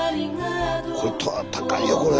これ高いよこれ。